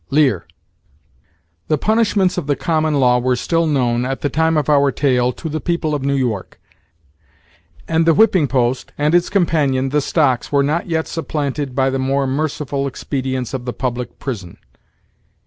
Lear. The punishments of the common law were still known, at the time of our tale, to the people of New York; and the whipping post, and its companion, the stocks, were not yet supplanted by the more merciful expedients of the public prison.